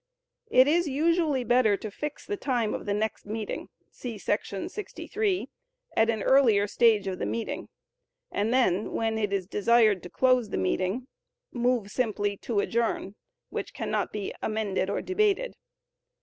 It is usually better to fix the time of the next meeting [see § 63] at an earlier stage of the meeting, and then, when it is desired to close the meeting, move simply "to adjourn," which cannot be amended or debated.